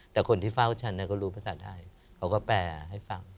แต่คนที่เฝ้าฉันก็รู้ภาษาไทยเขาก็แปลให้ฟัง